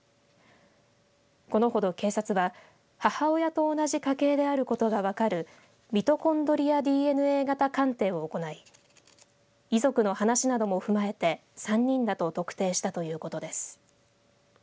このほど警察は母親と同じ家系であることが分かるミトコンドリアＤＮＡ型鑑定を行い遺族の話なども踏まえて３人だと特定したということです。